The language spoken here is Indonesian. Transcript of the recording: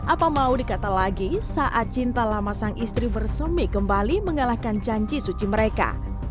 apa mau dikata lagi saat cinta lama sang istri bersemi kembali mengalahkan janji suci mereka